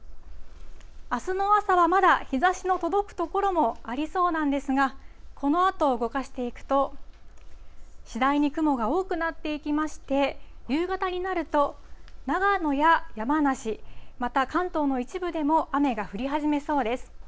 あすの朝はまだ日ざしの届く所もありそうなんですが、このあと動かしていくと、次第に雲が多くなっていきまして、夕方になると、長野や山梨、また関東の一部でも雨が降り始めそうです。